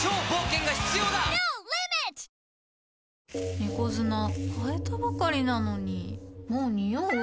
猫砂替えたばかりなのにもうニオう？